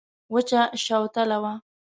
وچه شوتله وه.